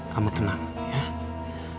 kamu tenang ya